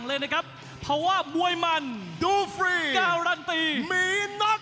แล้วตะพุน